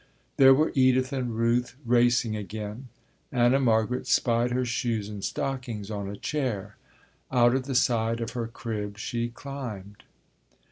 There were Edith and Ruth racing again. Anna Margaret spied her shoes and stockings on a chair. Out of the side of her crib she climbed.